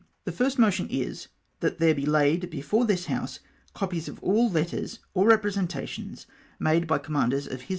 The first motion is, " That there be laid before this House copies of all letters or repre sentations made by Commanders of H.M.'